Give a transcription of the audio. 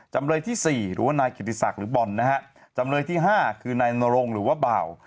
จำเลยที่สี่หรือว่านายกิติศักดิ์หรือบอลนะฮะจำเลยที่๕คือนายนรงหรือว่าบ่าว